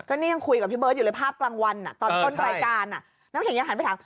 นี่ยังคุยกับพี่เบิร์ตอยู่เลยภาพกลางวันตอนต้นรายการอ่ะน้ำแข็งยังหันไปถาม